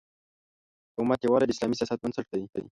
د امت یووالی د اسلامي سیاست بنسټ دی.